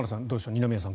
二宮さん